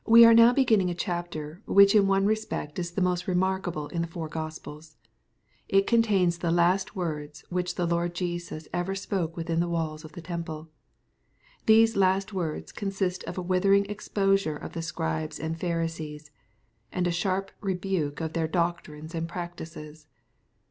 We are now beginning a chapter which in one respect is the most remarkable in the four Gospels. It contains the last words which the Lord Jesus ever spoke within the walls of the temple. Those last words consist of a withering exposure of the Scribes and Pharisees, and a sharp rebuke of their doctrines and practices.